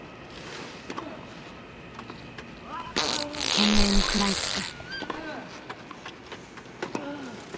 懸命に食らいつく。